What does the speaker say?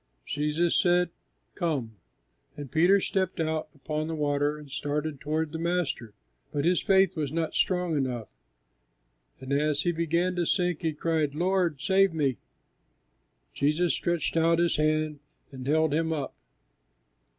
Jesus said, "Come," and Peter stepped out upon the water and started toward the Master; but his faith was not strong enough, and as he began to sink he cried, "Lord, save me!" Jesus stretched out His hand and held him up.